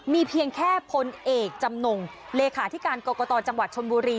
มีเพียงแค่พลเอกจำนงเลขาธิการกรกตจังหวัดชนบุรี